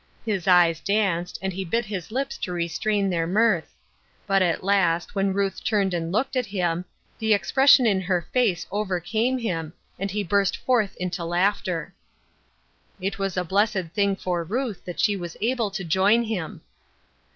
His eyes danced, and he bit his lips to restrain their mirth. But at last, when Ruth turned and looked at him, the expression in hei 288 Ruth Erskine's Crosses, face overcame him, and he burst forth into laughter. It was a blessed thing for Ruth that she was able to join him.